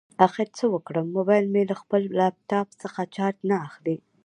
اخر څه وکړم؟ مبایل مې له خپل لاپټاپ څخه چارج نه اخلي